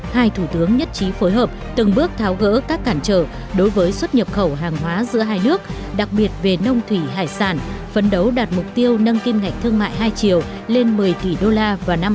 hai thủ tướng nhất trí phối hợp từng bước tháo gỡ các cản trở đối với xuất nhập khẩu hàng hóa giữa hai nước đặc biệt về nông thủy hải sản phấn đấu đạt mục tiêu nâng kim ngạch thương mại hai triệu lên một mươi tỷ đô la vào năm hai nghìn hai mươi